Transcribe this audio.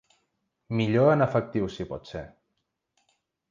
Millor en efectiu si pot ser.